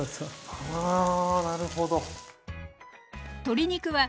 はあなるほど。